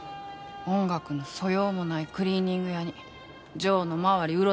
音楽の素養もないクリーニング屋にジョーの周り